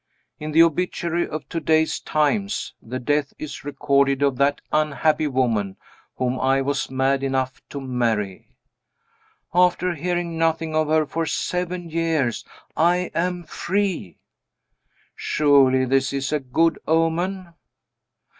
In the Obituary of to day's Times the death is recorded of that unhappy woman whom I was mad enough to marry. After hearing nothing of her for seven years I am free! Surely this is a good omen?